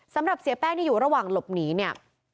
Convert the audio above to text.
สำหรับเสียแป้งที่อยู่ระหว่างหลบหนีเนี่ย